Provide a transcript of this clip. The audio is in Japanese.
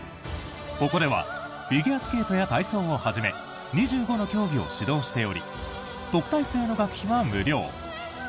ここではフィギュアスケートや体操をはじめ２５の競技を指導しており特待生の学費は無料。